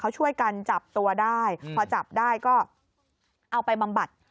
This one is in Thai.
เขาช่วยกันจับตัวได้พอจับได้ก็เอาไปบำบัด